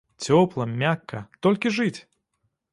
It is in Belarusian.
Цёпла, мякка, толькі жыць!